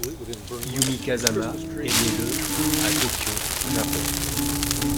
Yumi Kazama est née le à Tokyo, Japon.